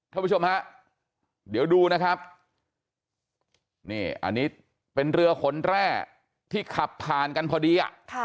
ท่านผู้ชมฮะเดี๋ยวดูนะครับนี่อันนี้เป็นเรือขนแร่ที่ขับผ่านกันพอดีอ่ะ